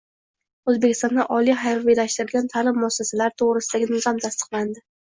O‘zbekistonda Oliy harbiylashtirilgan ta’lim muassasalari to‘g‘risidagi nizom tasdiqlandi